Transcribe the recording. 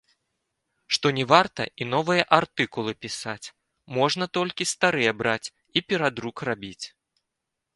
Што не варта і новыя артыкулы пісаць, можна толькі старыя браць і перадрук рабіць!